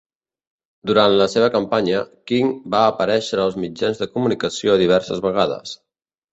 Durant la seva campanya, King va aparèixer als mitjans de comunicació diverses vegades.